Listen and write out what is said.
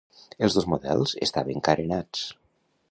Els dos models estaven carenats.